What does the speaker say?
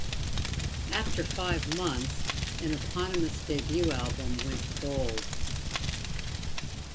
After five months, an eponymous debut album went Gold.